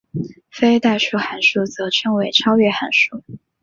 非代数函数则称为超越函数。